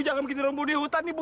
jangan begitu rembut di hutan bu